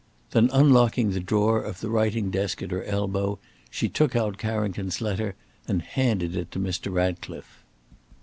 Then unlocking the drawer of the writing desk at her elbow, she took out Carrington's letter and handed it to Mr. Ratcliffe.